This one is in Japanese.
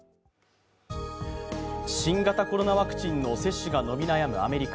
新型コロナワクチンの接種が伸び悩むアメリカ。